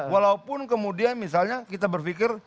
walaupun kemudian misalnya kita berpikir